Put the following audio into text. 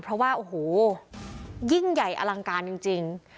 เพราะว่าโอ้โหยิ่งใหญ่อลังการจริง